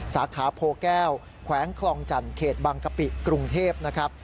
สาขาโพแก้วแขวงคลองจันทร์เขตบางกะปิกรุงเทพนะครับ